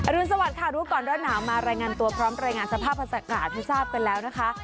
รุนสวัสดิ์รู้ก่อนร้อนหนาวมารายงานตัวพร้อมรายงานสภาพอากาศให้ทราบกันแล้วนะคะ